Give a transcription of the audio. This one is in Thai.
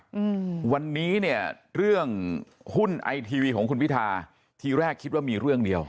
อืมวันนี้เนี้ยเรื่องหุ้นไอทีวีของคุณพิธาทีแรกคิดว่ามีเรื่องเดียว